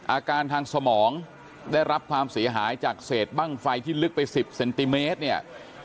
อาการทางสมองได้รับความเสียหายจากเศษบ้างไฟที่ลึกไป๑๐เซนติเมตรเนี่ย